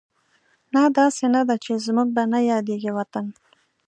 نه، داسې نه ده چې زموږ به نه یادېږي وطن